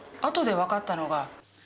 後で分かったのが。